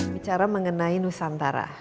bicara mengenai nusantara